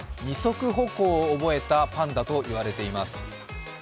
二足歩行を覚えたパンダと言われています。